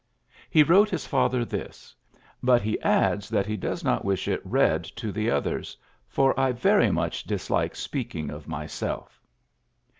He wrote his father this ^ but he adds that he does not wish it read to the others, ^^for I very much dislike speaking of myself."